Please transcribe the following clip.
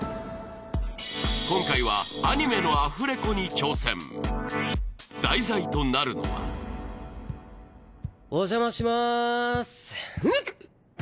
今回はアニメのアフレコに挑戦題材となるのはお邪魔しまーすうっ！